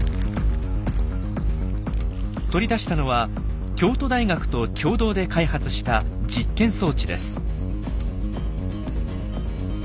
取り出したのは京都大学と共同で開発した実験装置です。